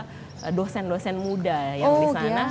ada juga dosen dosen muda yang di sana